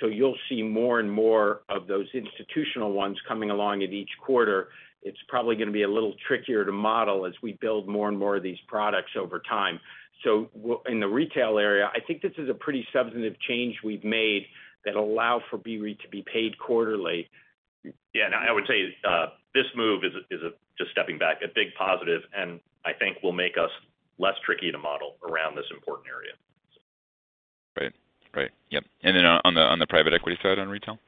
You'll see more and more of those institutional ones coming along at each quarter. It's probably gonna be a little trickier to model as we build more and more of these products over time. In the retail area, I think this is a pretty substantive change we've made that allow for BREIT to be paid quarterly. Yeah, I would say this move is a, just stepping back, a big positive, and I think will make us less tricky to model around this important area. Right. Yep. On the private equity side, on retail?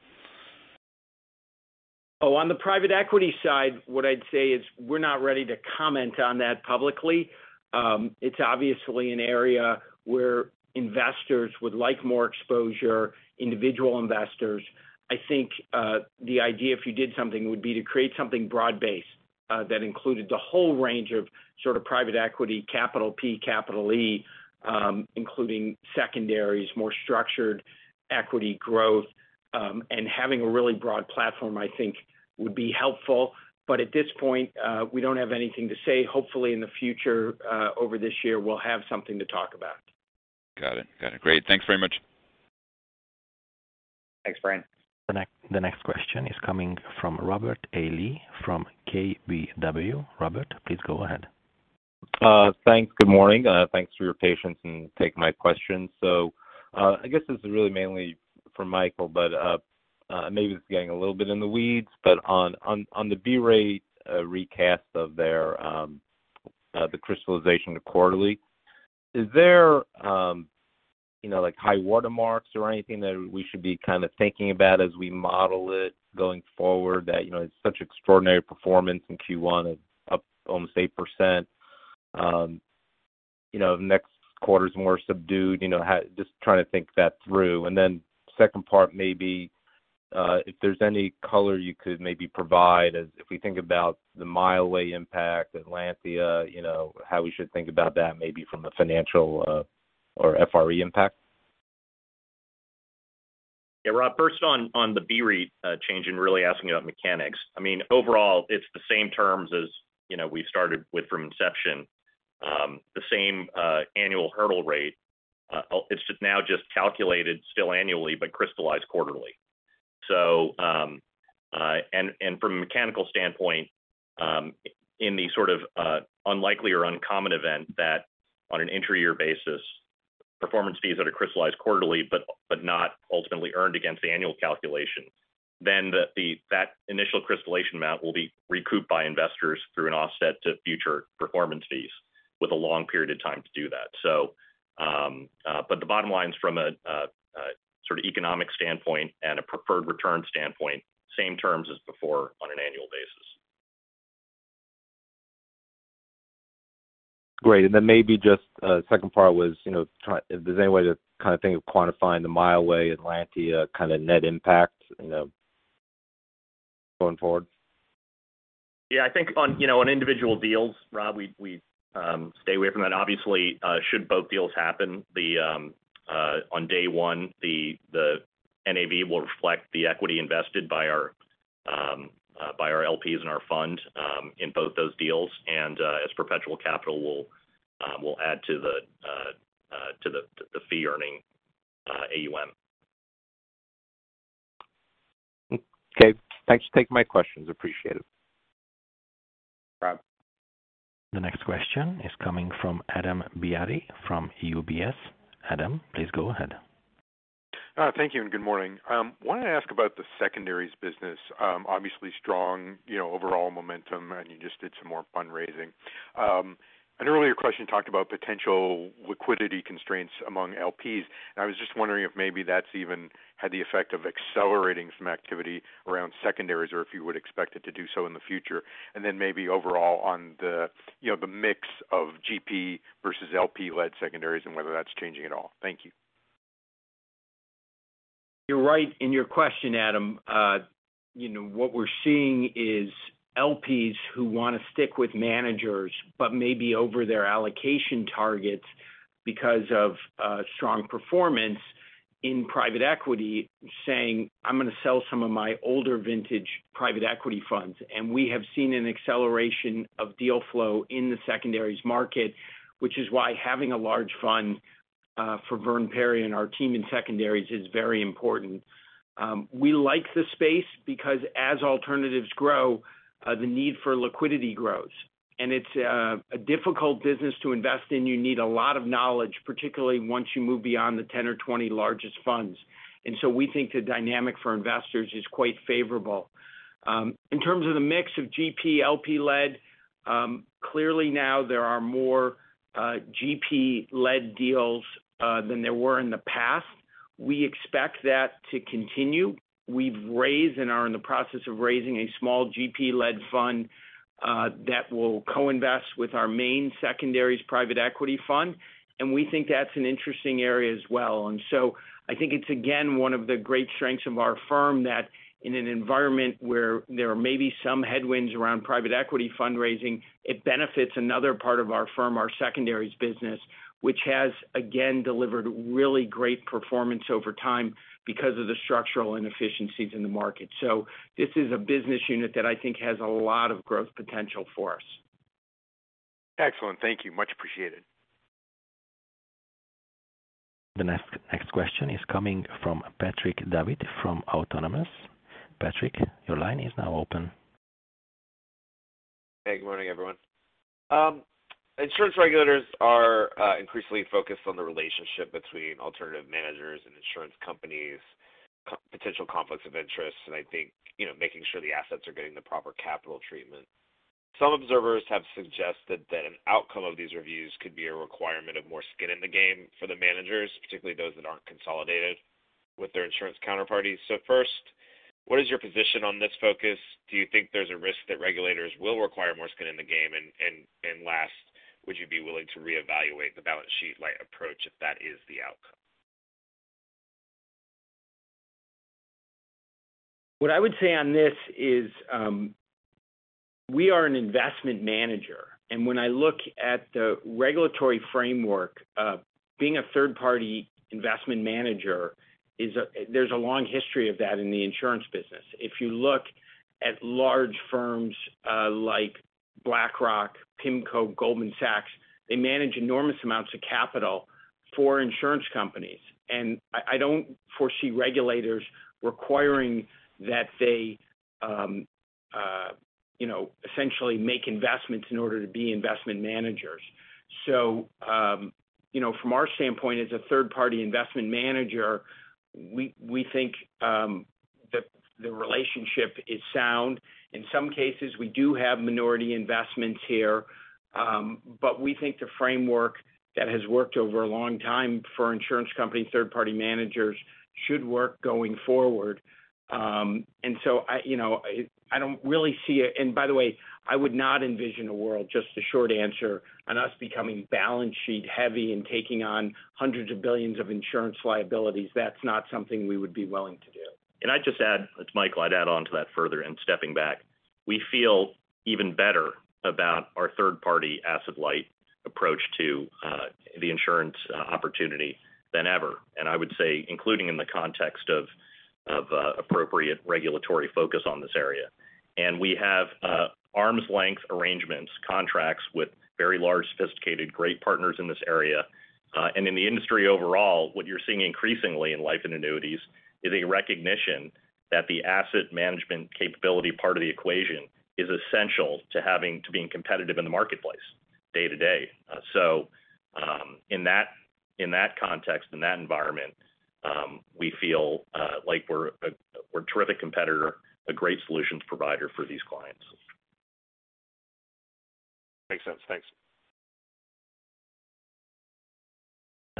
Oh, on the private equity side, what I'd say is we're not ready to comment on that publicly. It's obviously an area where investors would like more exposure, individual investors. I think the idea if you did something would be to create something broad-based that included the whole range of sort of private equity, capital P, capital E, including secondaries, more structured equity growth. Having a really broad platform, I think would be helpful. At this point, we don't have anything to say. Hopefully, in the future, over this year, we'll have something to talk about. Got it. Great. Thanks very much. Thanks, Brian. The next question is coming from Robert A. Lee from KBW. Robert, please go ahead. Thanks. Good morning. Thanks for your patience in taking my question. I guess this is really mainly for Michael, but maybe it's getting a little bit in the weeds. But on the BREIT recast of their the crystallization to quarterly, is there, you know, like, high water marks or anything that we should be kind of thinking about as we model it going forward that, you know, it's such extraordinary performance in Q1, it's up almost 8%. You know, next quarter's more subdued, you know, how. Just trying to think that through. Second part, maybe, if there's any color you could maybe provide as if we think about the Mileway impact, Atlantia, you know, how we should think about that maybe from a financial or FRE impact? Yeah, Rob, first on the BREIT change and really asking about mechanics. I mean, overall, it's the same terms as, you know, we started with from inception, the same annual hurdle rate. It's just calculated still annually, but crystallized quarterly. From a mechanical standpoint, in the sort of unlikely or uncommon event that on an intra-year basis, performance fees that are crystallized quarterly but not ultimately earned against the annual calculation, then that initial crystallization amount will be recouped by investors through an offset to future performance fees with a long period of time to do that. The bottom line is from a sort of economic standpoint and a preferred return standpoint, same terms as before on an annual basis. Great. Maybe just, second part was, you know, if there's any way to kinda think of quantifying the Mileway Atlantia kinda net impact, you know, going forward. Yeah, I think, you know, on individual deals, Rob, we stay away from that. Obviously, should both deals happen, on day one, the NAV will reflect the equity invested by our LPs and our fund in both those deals. As perpetual capital, we'll add to the fee earning AUM. Okay. Thanks for taking my questions. Appreciate it. Rob. The next question is coming from Adam Beatty from UBS. Adam, please go ahead. Thank you and good morning. I wanted to ask about the secondaries business. Obviously strong, you know, overall momentum, and you just did some more fundraising. An earlier question talked about potential liquidity constraints among LPs. I was just wondering if maybe that's even had the effect of accelerating some activity around secondaries or if you would expect it to do so in the future. Maybe overall on the, you know, the mix of GP versus LP-led secondaries and whether that's changing at all. Thank you. You're right in your question, Adam. You know, what we're seeing is LPs who wanna stick with managers, but maybe over their allocation targets because of strong performance in private equity, saying, "I'm gonna sell some of my older vintage private equity funds." We have seen an acceleration of deal flow in the secondaries market, which is why having a large fund for Verdun Perry and our team in secondaries is very important. We like the space because as alternatives grow, the need for liquidity grows. It's a difficult business to invest in. You need a lot of knowledge, particularly once you move beyond the 10 or 20 largest funds. We think the dynamic for investors is quite favorable. In terms of the mix of GP, LP-led, clearly now there are more GP-led deals than there were in the past. We expect that to continue. We've raised and are in the process of raising a small GP-led fund that will co-invest with our main secondaries private equity fund, and we think that's an interesting area as well. I think it's again one of the great strengths of our firm that in an environment where there may be some headwinds around private equity fundraising, it benefits another part of our firm, our secondaries business, which has again delivered really great performance over time because of the structural inefficiencies in the market. This is a business unit that I think has a lot of growth potential for us. Excellent. Thank you. Much appreciated. The next question is coming from Patrick Davitt from Autonomous. Patrick, your line is now open. Hey, good morning, everyone. Insurance regulators are increasingly focused on the relationship between alternative managers and insurance companies, potential conflicts of interest, and I think, you know, making sure the assets are getting the proper capital treatment. Some observers have suggested that an outcome of these reviews could be a requirement of more skin in the game for the managers, particularly those that aren't consolidated with their insurance counterparties. First, what is your position on this focus? Do you think there's a risk that regulators will require more skin in the game? And last, would you be willing to reevaluate the balance sheet light approach if that is the outcome? What I would say on this is, we are an investment manager, and when I look at the regulatory framework of being a third-party investment manager, there's a long history of that in the insurance business. If you look at large firms like BlackRock, PIMCO, Goldman Sachs, they manage enormous amounts of capital for insurance companies. I don't foresee regulators requiring that they you know essentially make investments in order to be investment managers. You know, from our standpoint as a third-party investment manager, we think the relationship is sound. In some cases, we do have minority investments here, but we think the framework that has worked over a long time for insurance companies, third-party managers should work going forward. I you know don't really see a- By the way, I would not envision a world, just a short answer, on us becoming balance sheet heavy and taking on $hundreds of billions of insurance liabilities. That's not something we would be willing to do. I'd just add, it's Michael, I'd add on to that further and stepping back. We feel even better about our third-party asset-light approach to the insurance opportunity than ever. I would say, including in the context of appropriate regulatory focus on this area. We have arm's length arrangements, contracts with very large sophisticated great partners in this area. In the industry overall, what you're seeing increasingly in life and annuities is a recognition that the asset management capability part of the equation is essential to being competitive in the marketplace day to day. In that context, in that environment, we feel like we're a terrific competitor, a great solutions provider for these clients. Makes sense. Thanks.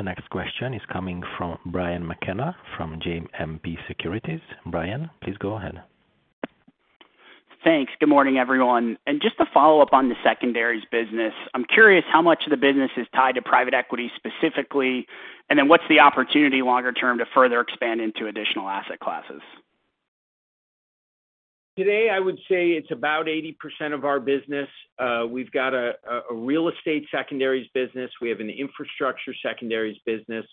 The next question is coming from Brian McKenna from JMP Securities. Brian, please go ahead. Thanks. Good morning, everyone. Just to follow up on the secondaries business, I'm curious how much of the business is tied to private equity specifically, and then what's the opportunity longer term to further expand into additional asset classes? Today, I would say it's about 80% of our business. We've got a real estate secondaries business. We have an infrastructure secondaries business.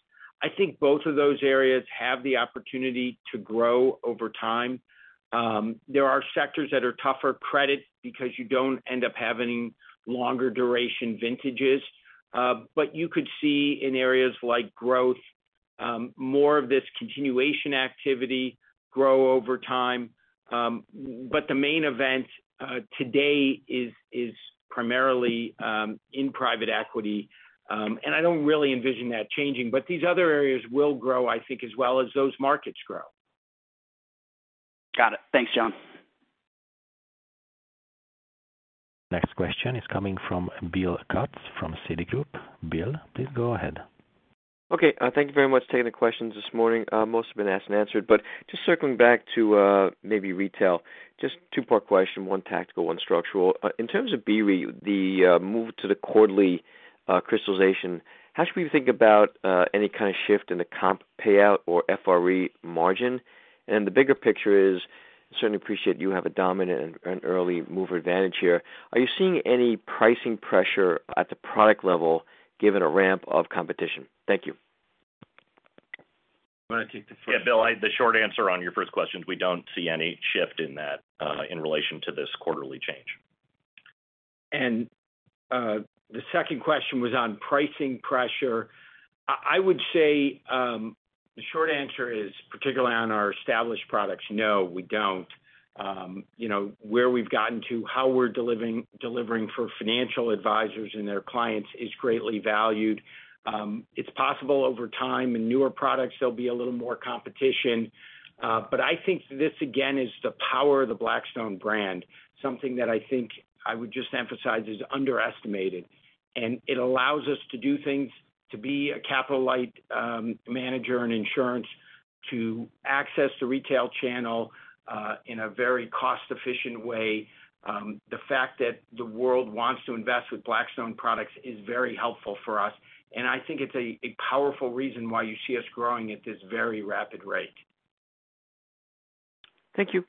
I think both of those areas have the opportunity to grow over time. There are sectors that are tougher credit because you don't end up having longer duration vintages. You could see in areas like growth, more of this continuation activity grow over time. The main event today is primarily in private equity, and I don't really envision that changing. These other areas will grow, I think, as well as those markets grow. Got it. Thanks, Jon. Next question is coming from Bill Katz from Citigroup. Bill, please go ahead. Okay. Thank you very much for taking the questions this morning. Most have been asked and answered. Just circling back to, maybe retail, just two-part question, one tactical, one structural. In terms of BREIT, the move to the quarterly crystallization, how should we think about any kind of shift in the comp payout or FRE margin? The bigger picture I certainly appreciate you have a dominant and an early mover advantage here. Are you seeing any pricing pressure at the product level given a ramp of competition? Thank you. Want to take the first- Yeah, Bill, the short answer on your first question is we don't see any shift in that, in relation to this quarterly change. The second question was on pricing pressure. I would say the short answer is, particularly on our established products, no, we don't. You know, where we've gotten to, how we're delivering for financial advisors and their clients is greatly valued. It's possible over time in newer products there'll be a little more competition. I think this again is the power of the Blackstone brand, something that I think I would just emphasize is underestimated. It allows us to do things to be a capital light manager in insurance, to access the retail channel in a very cost-efficient way. The fact that the world wants to invest with Blackstone products is very helpful for us. I think it's a powerful reason why you see us growing at this very rapid rate. Thank you.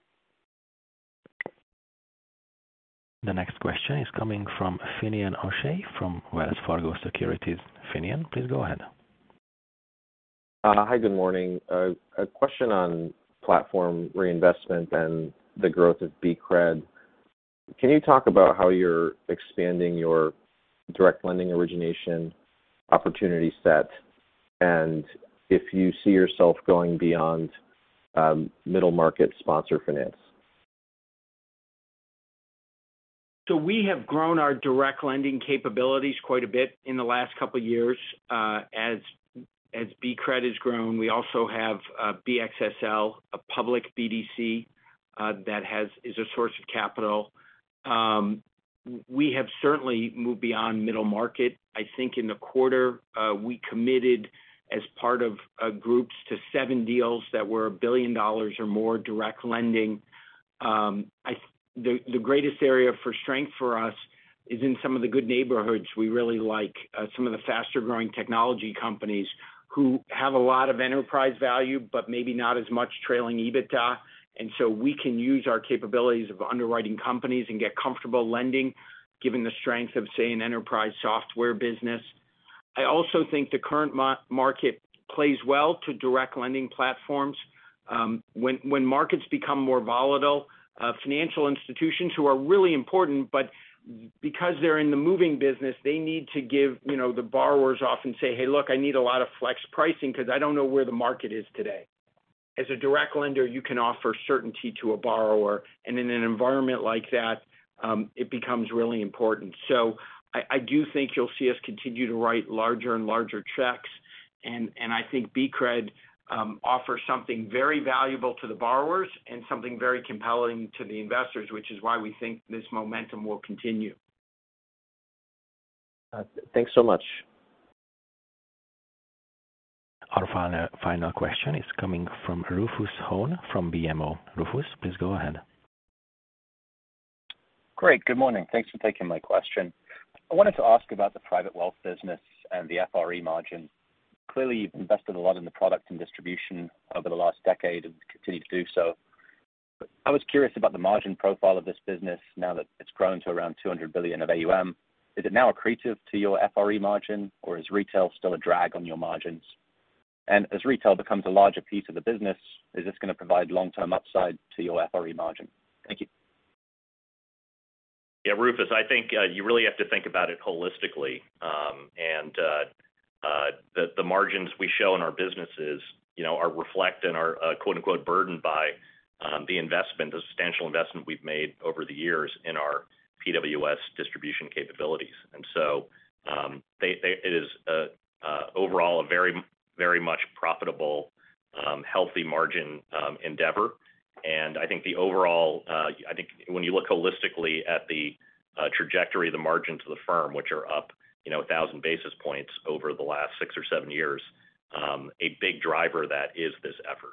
The next question is coming from Finian O'Shea from Wells Fargo Securities. Finian, please go ahead. Hi, good morning. A question on platform reinvestment and the growth of BCRED. Can you talk about how you're expanding your direct lending origination opportunity set, and if you see yourself going beyond middle market sponsor finance? We have grown our direct lending capabilities quite a bit in the last couple of years, as BCRED has grown. We also have BXSL, a public BDC, that is a source of capital. We have certainly moved beyond middle market. I think in the quarter, we committed as part of groups to seven deals that were $1 billion or more direct lending. The greatest area for strength for us is in some of the good neighborhoods we really like, some of the faster-growing technology companies who have a lot of enterprise value, but maybe not as much trailing EBITDA. We can use our capabilities of underwriting companies and get comfortable lending, given the strength of, say, an enterprise software business. I also think the current market plays well to direct lending platforms. When markets become more volatile, financial institutions who are really important but because they're in the money business, they need to give, you know, the borrowers often say, "Hey, look, I need a lot of flex pricing because I don't know where the market is today." As a direct lender, you can offer certainty to a borrower. In an environment like that, it becomes really important. I do think you'll see us continue to write larger and larger checks. I think BCRED offers something very valuable to the borrowers and something very compelling to the investors, which is why we think this momentum will continue. Thanks so much. Our final question is coming from Rufus Hone from BMO. Rufus, please go ahead. Great. Good morning. Thanks for taking my question. I wanted to ask about the private wealth business and the FRE margin. Clearly, you've invested a lot in the product and distribution over the last decade and continue to do so. I was curious about the margin profile of this business now that it's grown to around $200 billion of AUM. Is it now accretive to your FRE margin or is retail still a drag on your margins? As retail becomes a larger piece of the business, is this gonna provide long-term upside to your FRE margin? Thank you. Yeah, Rufus, I think you really have to think about it holistically. The margins we show in our businesses, you know, are reflective and are quote-unquote "burdened by" the investment, the substantial investment we've made over the years in our PWS distribution capabilities. It is overall a very profitable healthy margin endeavor. I think when you look holistically at the trajectory of the margins of the firm, which are up, you know, a thousand basis points over the last six or seven years, a big driver of that is this effort.